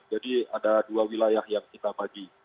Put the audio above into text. jadi ada dua wilayah yang kita bagi